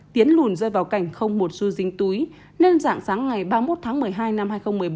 tiến lùn rơi vào cảnh không một xu dính túi nên dạng sáng ngày ba mươi một tháng một mươi hai năm hai nghìn một mươi bốn